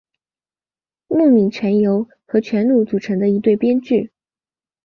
木皿泉由和泉努组成的一对编剧。